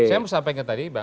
saya mau sampaikan tadi